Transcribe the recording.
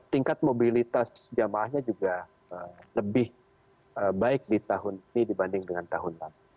tingkat mobilitas jamaahnya juga lebih baik di tahun ini dibanding dengan tahun lalu